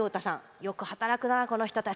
よく働くな、この人たち。